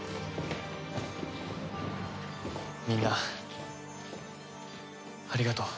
みんなありがとう。